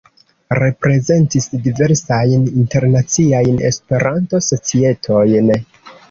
Reprezentis diversajn internaciajn Esperanto-societojn.